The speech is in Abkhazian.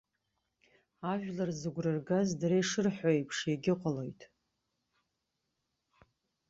Ажәлар зыгәра ргаз дара ишырҳәо еиԥш иагьыҟалоит.